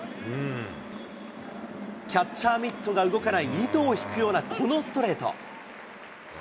キャッチャーミットが動かない糸を引くようなこのストレート。